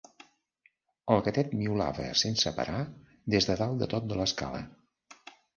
El gatet miolava sense parar des de dalt de tot de l'escala.